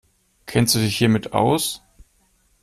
Kennst du dich hiermit aus?